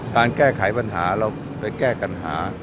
การแก้ไขปัญหาเราไปแก้ปัญหา